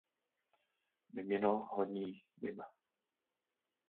Mimino honí mim.